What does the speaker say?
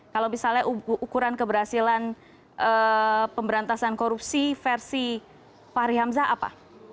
kalau misalnya ukuran keberhasilan pemberantasan korupsi versi fahri hamzah apa